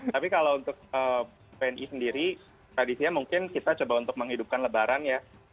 tapi kalau untuk wni sendiri tradisinya mungkin kita coba untuk menghidupkan lebaran ya